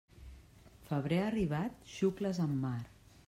Febrer arribat, xucles en mar.